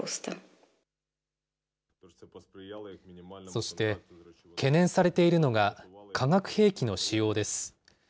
そして懸念されているのが、化学兵器の使用です。